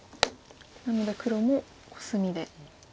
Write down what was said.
なので黒もコスミで。